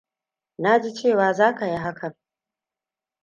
Naaji cewa zaka yi hakan.